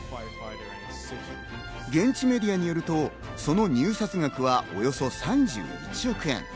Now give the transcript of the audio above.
現地メディアによると、その入札額はおよそ３１億円。